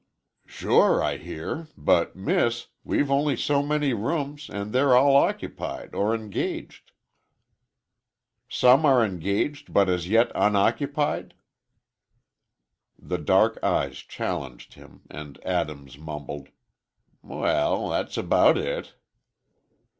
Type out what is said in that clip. "Sure I hear, but, miss, we've only so many rooms and they're all occupied or engaged." "Some are engaged, but as yet unoccupied?" The dark eyes challenged him, and Adams mumbled,—"Well, that's about it."